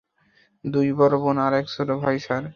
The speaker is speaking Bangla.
দুই বড় বোন আর এক ছোট ভাই, স্যার।